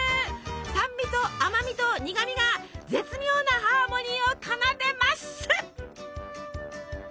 酸味と甘味と苦味が絶妙なハーモニーを奏でます！